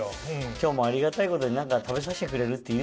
今日もありがたいことに何か食べさせてくれるっていうしね。